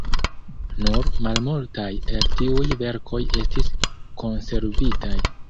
Nur malmultaj el tiuj verkoj estis konservitaj.